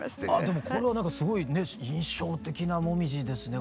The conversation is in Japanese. でもこれは何かすごい印象的な紅葉ですね。